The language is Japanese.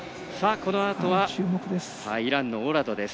このあとイランのオラドです。